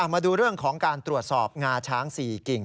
มาดูเรื่องของการตรวจสอบงาช้าง๔กิ่ง